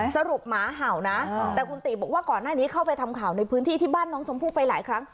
หมาเห่านะแต่คุณติบอกว่าก่อนหน้านี้เข้าไปทำข่าวในพื้นที่ที่บ้านน้องชมพู่ไปหลายครั้ง